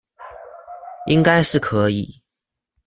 應該是可以